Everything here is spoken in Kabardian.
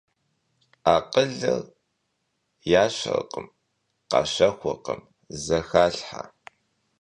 Akhılır yaşerkhım, khaşexurkhım – zexalhhe.